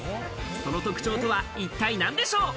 その特徴とは一体何でしょう？